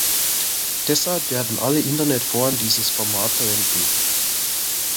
Deshalb werden alle Internetforen dieses Format verwenden.